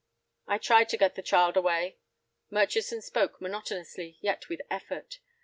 "I tried to get the child away." Murchison spoke monotonously, yet with effort.